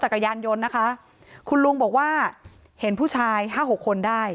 จักรยานยนต์นะคะคุณลุงบอกว่าเห็นผู้ชายห้าหกคนได้